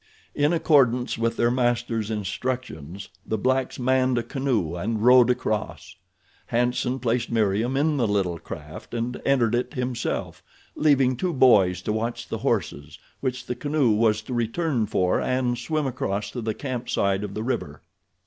In accordance with their master's instructions the blacks manned a canoe and rowed across. Hanson placed Meriem in the little craft and entered it himself, leaving two boys to watch the horses, which the canoe was to return for and swim across to the camp side of the river.